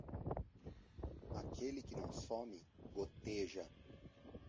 Aquele que não some, goteja.